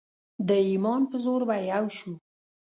د ایمان په زور به یو شو.